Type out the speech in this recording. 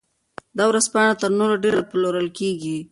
دا ورځپاڼه تر نورو ډېر پلورل کیږي.